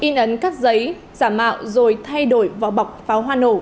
in ấn các giấy giả mạo rồi thay đổi vỏ bọc pháo hoa nổ